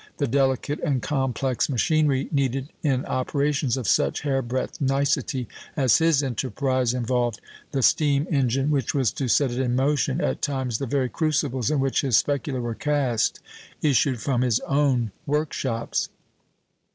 The delicate and complex machinery needed in operations of such hairbreadth nicety as his enterprise involved, the steam engine which was to set it in motion, at times the very crucibles in which his specula were cast, issued from his own workshops.